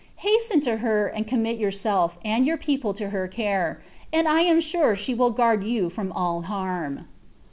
Hasten to her, and commit yourself and your people to her care, and [ am sure *i» will guard you from all harm."